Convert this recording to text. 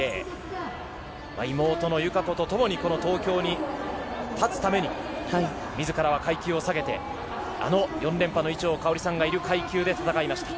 妹の友香子とともにこの東京に立つために自らは階級を下げてあの４連覇の伊調馨さんがいる階級で戦いました。